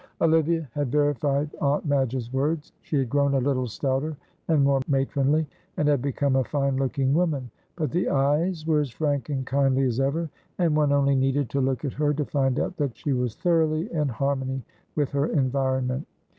Olivia had verified Aunt Madge's words. She had grown a little stouter and more matronly, and had become a fine looking woman, but the eyes were as frank and kindly as ever, and one only needed to look at her to find out that she was thoroughly in harmony with her environment.